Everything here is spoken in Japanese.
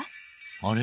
あれ？